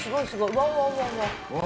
わわわわ。